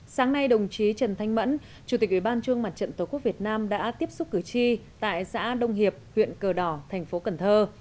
sáng nay đồng chí trần thanh mẫn chủ tịch ủy ban trung mặt trận tổ quốc việt nam đã tiếp xúc cử tri tại xã đông hiệp huyện cờ đỏ thành phố cần thơ